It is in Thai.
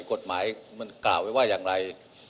กฏหมายกล่าวไปว่าอย่างไร